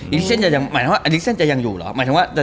อีลิกเซ็นจะยังอยู่หรอหมายถึงว่า